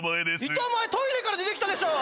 僕の部屋のトイレから出てきたでしょ。